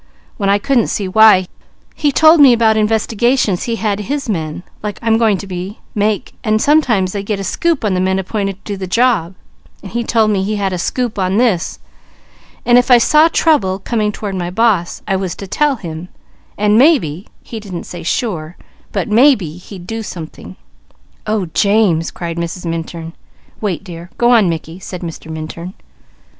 When I couldn't see why, he told me about investigations he had his men, like I'm going to be, make, and sometimes they get a 'scoop' on the men appointed to do the job, and he told me he had a 'scoop' on this, and if I saw trouble coming toward my boss, I was to tell him and maybe he didn't say sure, but maybe he'd do something." "Oh James!" cried Mrs. Minturn. "Wait dear! Go on Mickey," said Mr. Minturn.